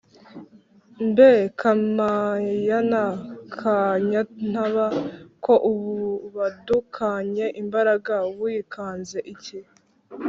mbe kampayana ka nyantaba ko ubadukanye imbaraga, wikanze iki’